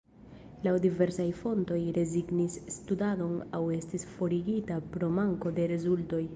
Laŭ diversaj fontoj rezignis studadon aŭ estis forigita pro manko de rezultoj.